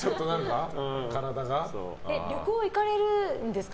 旅行、行かれるんですか？